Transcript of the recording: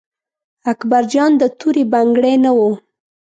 اکبر جان د تورې بنګړي نه و.